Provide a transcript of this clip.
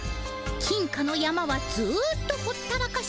金貨の山はずっとほったらかし。